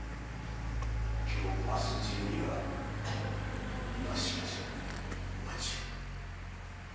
今日明日中には今しばしのお待ちを。